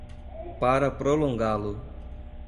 Para prolongá-lo.